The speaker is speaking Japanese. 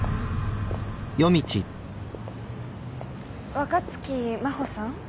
若槻真帆さん。